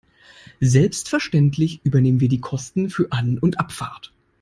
Selbstverständlich übernehmen wir die Kosten für An- und Abfahrt.